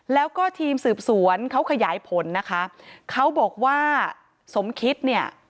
แล้วก็ทีมสืบสวนเขาขยายผลนะคะเขาบอกว่าสมคิดเนี่ย